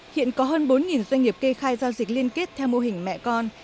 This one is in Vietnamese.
hiện có hơn bốn doanh nghiệp kê khai giao dịch liên kết theo mô hình mẹ con